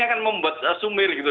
ya itu kan membuat sumir gitu